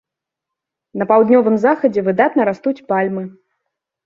На паўднёвым захадзе выдатна растуць пальмы.